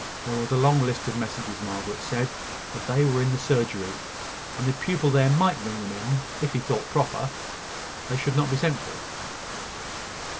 There was a long list of messages, Margaret said, but they were in the surgery; and the pupil there might bring them in, if he thought proper: they should not be sent for.